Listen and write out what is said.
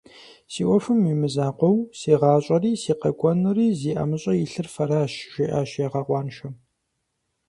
Си ӏуэхум имызакъуэу, си гъащӏэри, си къэкӏуэнури зи ӏэмыщӏэ илъыр фэращ, - жиӏащ ягъэкъуаншэм.